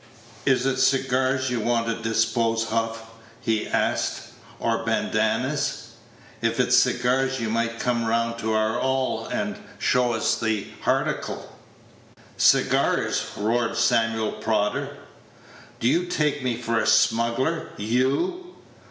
"Is it cigars you want to dispose hoff," he asked, "or bandannas? If it's cigars, you might come round to our 'all, and show us the harticle." "Cigars!" roared Samuel Prodder. "Do you take me for a smuggler, you